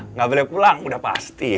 nggak boleh pulang udah pasti